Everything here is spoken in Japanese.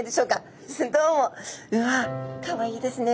うわっかわいいですね。